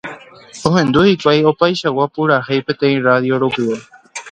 Ohendu hikuái opaichagua purahéi peteĩ radio rupive.